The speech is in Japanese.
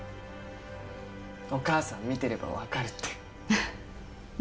お母さん見てればわかるって。